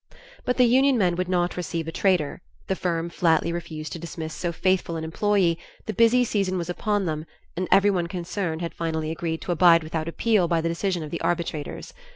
But the union men would not receive "a traitor," the firm flatly refused to dismiss so faithful an employee, the busy season was upon them, and everyone concerned had finally agreed to abide without appeal by the decision of the arbitrators.